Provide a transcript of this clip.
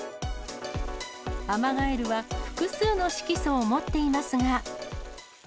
アマガエルは、複数の色素を持っていますが。